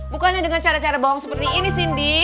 bukannya dengan cara cara bawang seperti ini cindy